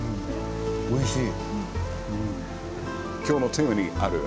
おいしい。